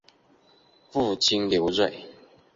父亲刘锐。